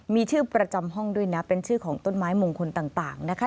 มีชื่อประจำห้องด้วยนะเป็นชื่อของต้นไม้มงคลต่างนะคะ